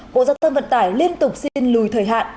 bộ giáo tâm vận tải liên tục xin lùi thời hạn